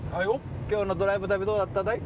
今日のドライブ旅どうだったんだい？